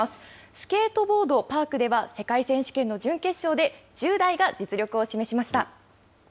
スケートボード、パークでは世界選手権の準決勝で１０代が実力を示しました。